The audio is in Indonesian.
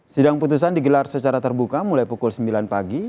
sidang putusan digelar secara terbuka mulai pukul sembilan pagi